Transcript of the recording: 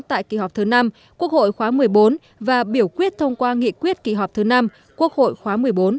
tại kỳ họp thứ năm quốc hội khóa một mươi bốn và biểu quyết thông qua nghị quyết kỳ họp thứ năm quốc hội khóa một mươi bốn